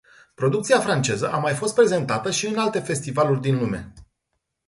Producția franceză a mai fost prezentată și în alte festivaluri din lume.